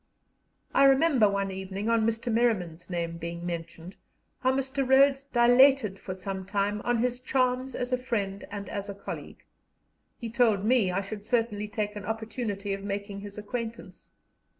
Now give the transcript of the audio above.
I remember one evening, on Mr. Merriman's name being mentioned, how Mr. Rhodes dilated for some time on his charms as a friend and as a colleague; he told me I should certainly take an opportunity of making his acquaintance.